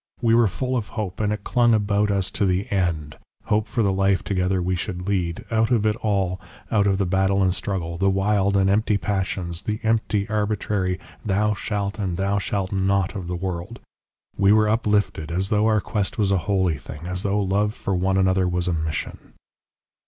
We were full of hope, and it clung about us to the end, hope for the life together we should lead, out of it all, out of the battle and struggle, the wild and empty passions, the empty arbitrary 'thou shalt' and 'thou shalt not' of the world. We were uplifted, as though our quest was a holy thing, as though love for one another was a mission....